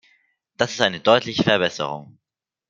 Das ist eine deutliche Verbesserung.